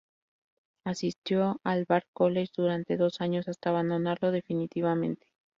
Asistió al Bard College durante dos años hasta abandonarlo definitivamente.